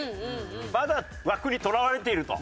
まだ枠にとらわれていると。